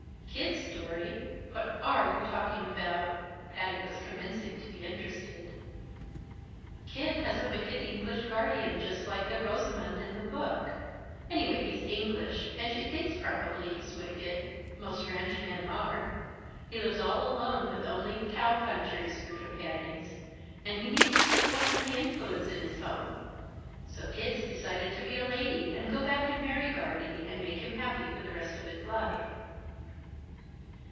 "Kid's story? What are you talking about?" Patty was commencing to be interested. "Kid has a wicked English guardian just like the Rosamond in the book. Anyway, he's English, and she thinks probably he's wicked. Most ranchmen are. He lives all alone with only cow punchers for companions, and he needs a sweet womanly influence in his home. So Kid's decided to be a lady, and go back and marry Guardie, and make him happy for the rest of his life."